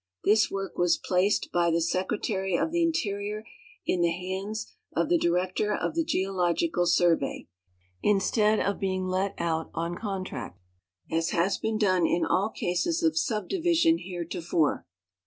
This work was placed by the Secretary of the Interior in the hg^nds of the Director of the Geological Surve}^, instead of being let out on contract, as has been done in all cases of subdivision heretofore.